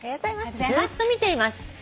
「ずーっと見ています」